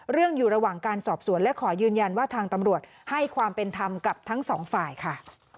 อยู่ระหว่างการสอบสวนและขอยืนยันว่าทางตำรวจให้ความเป็นธรรมกับทั้งสองฝ่ายค่ะ